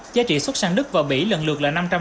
giá trị xuất sang đức và mỹ lần lượt là